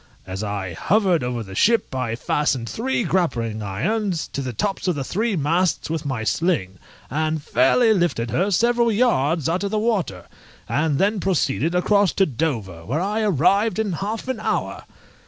As I hovered over the ship I fastened three grappling irons to the tops of the three masts with my sling, and fairly lifted her several yards out of the water, and then proceeded across to Dover, where I arrived in half an hour!